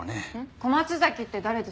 小松崎って誰です？